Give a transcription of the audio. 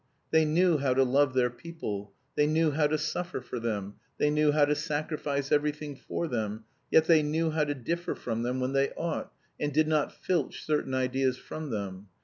They knew how to love their people, they knew how to suffer for them, they knew how to sacrifice everything for them, yet they knew how to differ from them when they ought, and did not filch certain ideas from them.